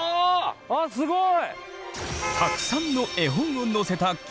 あすごい！